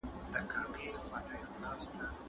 نړیوال قوانین د ټولو لپاره د برابرۍ او انصاف اصول دي.